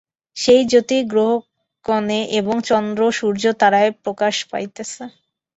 সেই জ্যোতিই গ্রহগণে এবং সূর্য-চন্দ্র-তারায় প্রকাশ পাইতেছে।